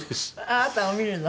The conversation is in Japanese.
あなたを見るの？